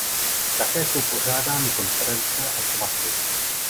Také jsou pořádány konference a svatby.